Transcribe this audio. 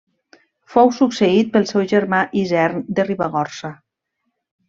Fou succeït pel seu germà Isern de Ribagorça.